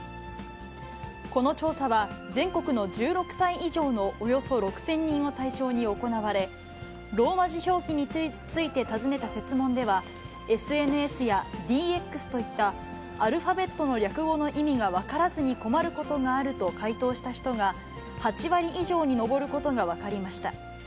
この調査は全国の１６歳以上のおよそ６０００人を対象に行われ、ローマ字表記について尋ねた設問では、ＳＮＳやＤＸといった、アルファベットの略語の意味が分からずに困ることがあると回答した人が８割以上に上ることが分かりました。